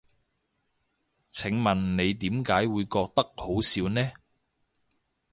請問你點解會覺得好笑呢？